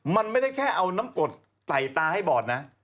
มันไม่ได้แค่เอาน้ำกดใส่ตาให้บอดนะ